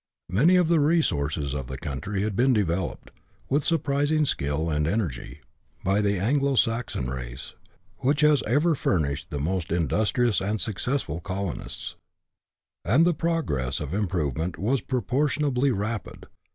Many of the resources of the country had been developed, with surprising skill and energy, by the Anglo Saxon race, which has ever furnished the most industrious and success ful colonists ; and the progress of improvement was proportion ably rapid.